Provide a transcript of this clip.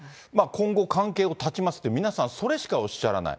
今後、関係を断ちますって、皆さん、それしかおっしゃらない。